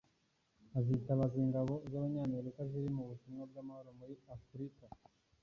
hazitabazwa ingabo z’Abanyamerika ziri mu butumwa bw’amahoro muri Afurika